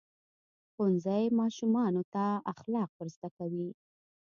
ښوونځی ماشومانو ته اخلاق ورزده کوي.